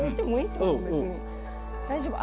大丈夫！